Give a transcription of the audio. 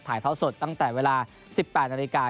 เท่าสดตั้งแต่เวลา๑๘นาฬิกา